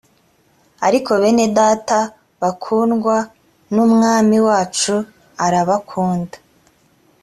ariko bene data bakundwa n’umwami wacu arabakunda